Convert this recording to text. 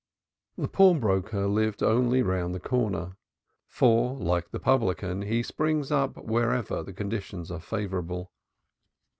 The pawnbroker lived only round the corner, for like the publican he springs up wherever the conditions are favorable.